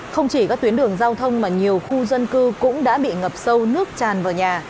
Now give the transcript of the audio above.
không chỉ các tuyến đường giao thông mà nhiều khu dân cư cũng đã bị ngập sâu nước tràn vào nhà